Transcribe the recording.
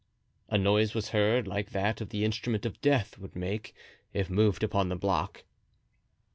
A noise was heard like that the instrument of death would make if moved upon the block.